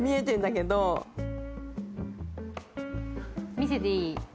見せていい？